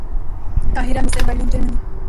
قاہرہ مصر برلن جرمنی